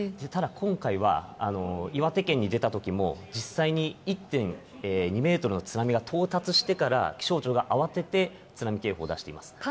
ただ、今回は岩手県に出たときも実際に１．２メートルの津波が到達してから、気象庁が慌てて津波警報を出しています。